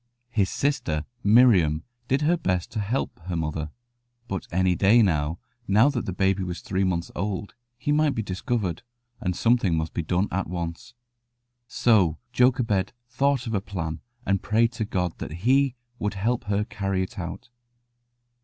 His sister Miriam did her best to help her mother; but any day, now that the baby was three months old, he might be discovered, and something must be done at once. So Jochebed thought of a plan, and prayed to God that He would help her to carry it out.